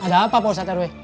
ada apa pak ustadz rw